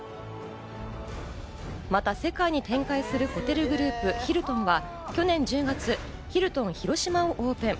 また、世界に展開するホテルグループ・ヒルトンは、去年１０月、ヒルトン広島をオープン。